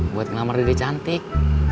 buat ngamar dede cantik